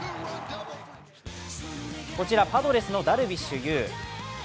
こちらパドレスのダルビッシュ有。